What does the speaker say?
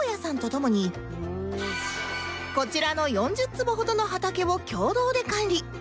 こちらの４０坪ほどの畑を共同で管理